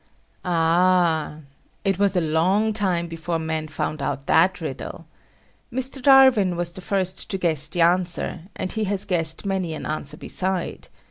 Ah! it was a long time before men found out that riddle. Mr. Darwin was the first to guess the answer, as he has guessed many an answer beside.